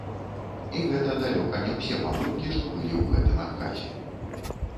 І гэта далёка не ўсе памылкі, што былі ў гэтым адказе.